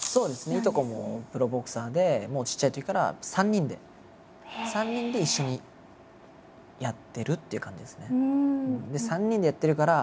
いとこもプロボクサーでちっちゃいときから３人で３人で一緒にやってるっていう感じですね。